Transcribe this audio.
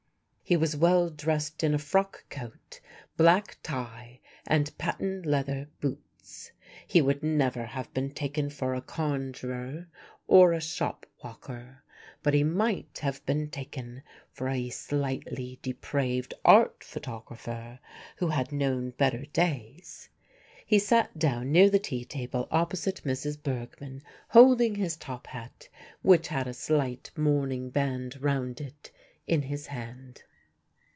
He was well dressed in a frock coat, black tie, and patent leather boots. He would never have been taken for a conjurer or a shop walker, but he might have been taken for a slightly depraved Art photographer who had known better days. He sat down near the tea table opposite Mrs. Bergmann, holding his top hat, which had a slight mourning band round it, in his hand.